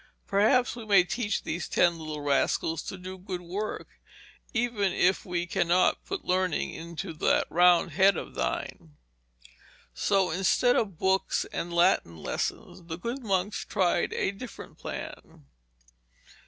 Perhaps we may teach these ten little rascals to do good work, even if we cannot put learning into that round head of thine.' So instead of books and Latin lessons, the good monks tried a different plan.